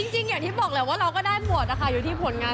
จริงอย่างที่บอกแหละว่าเราก็ได้หมดนะคะอยู่ที่ผลงาน